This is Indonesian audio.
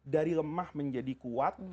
dari lemah menjadi kuat